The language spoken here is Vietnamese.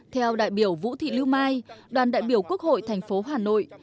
theo đại biểu vũ thị lưu mai đoàn đại biểu quốc hội thành phố hà nội